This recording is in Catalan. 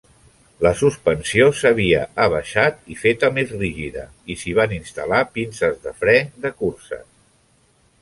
La suspensió s'havia abaixat i feta més rígida, i s'hi van instal·lar pinces de fre de curses.